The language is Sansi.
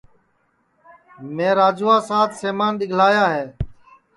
میں راجوا سات سمان دؔیگلایا ہے